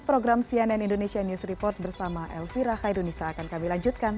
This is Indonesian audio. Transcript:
program cnn indonesia news report bersama elvira khairunisa akan kami lanjutkan